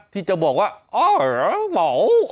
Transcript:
ที่จะบอกว่าเออเหรอเหรอเหรอ